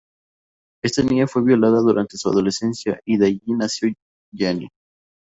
Esta niña fue violada durante su adolescencia y de ahí nació Janie.